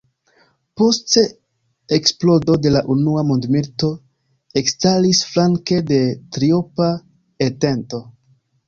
Post eksplodo de la unua mondmilito ekstaris flanke de Triopa Entento.